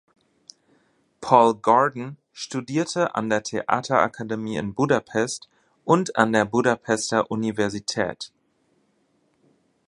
Paul Gordon studierte an der Theaterakademie in Budapest und an der Budapester Universität.